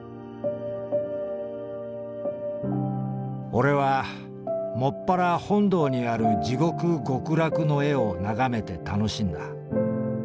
「オレはもっぱら本堂にある地獄極楽の絵をながめてたのしんだ。